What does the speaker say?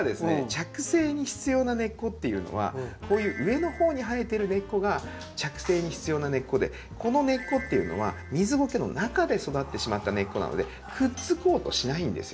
着生に必要な根っこっていうのはこういう上のほうに生えてる根っこが着生に必要な根っこでこの根っこっていうのは水ゴケの中で育ってしまった根っこなのでくっつこうとしないんですよ。